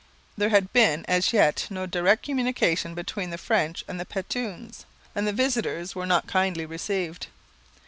There had been as yet no direct communication between the French and the Petuns, and the visitors were not kindly received.